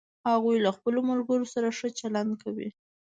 هغوی له خپلوملګرو سره ښه چلند کوي